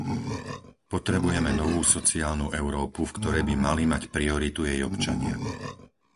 Potrebujeme novú sociálnu Európu, v ktorej by mali mať prioritu jej občania.